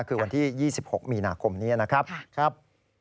คือวันที่๒๖มีนาคมนี้นะครับ